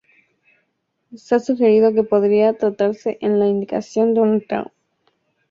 Se ha sugerido que podría tratarse de la indicación de una tumba.